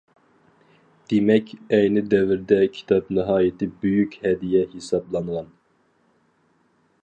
دېمەك، ئەينى دەۋردە كىتاب ناھايىتى بۈيۈك ھەدىيە ھېسابلانغان.